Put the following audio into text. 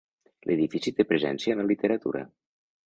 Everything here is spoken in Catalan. L'edifici té presència en la literatura.